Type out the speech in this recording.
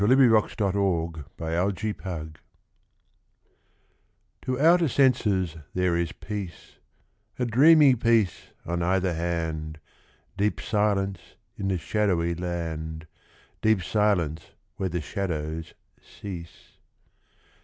fi4S] II LA FUITE DE LA LUNE TO outer senses there is peace, A dreamy peace on either hand, Deep silence in the shadowy land, Deep silence where the shadows cease.